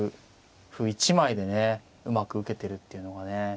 歩１枚でねうまく受けてるっていうのがね。